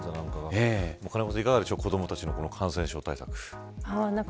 金子さん、いかがでしょう子どもたちの感染対策。